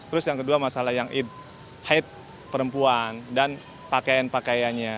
terus yang kedua masalah yang eat haid perempuan dan pakaian pakaiannya